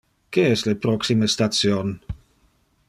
Que es le proxime station?